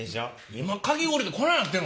今かき氷ってこないなってんの？